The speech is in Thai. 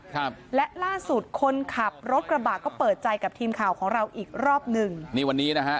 ครับและล่าสุดคนขับรถกระบะก็เปิดใจกับทีมข่าวของเราอีกรอบหนึ่งนี่วันนี้นะฮะ